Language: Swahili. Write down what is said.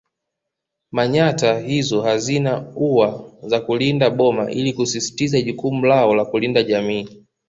Manyatta hizo hazina ua za kulinda boma ili kusisitiza jukumu lao la kulinda jamii